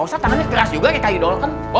ustadz tangannya keras juga kayak kayu dol